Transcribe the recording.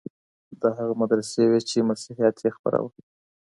دا هغه مدرسې وې چي مسيحيت يې خپراوه.